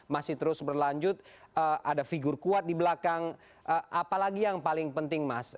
masih terus berlanjut ada figur kuat di belakang apalagi yang paling penting mas